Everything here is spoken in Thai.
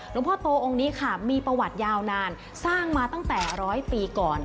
หลวงพ่อโตองค์นี้ค่ะมีประวัติยาวนานสร้างมาตั้งแต่ร้อยปีก่อน